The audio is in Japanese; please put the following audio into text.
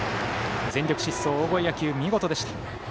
全力疾走、大声野球、見事でした。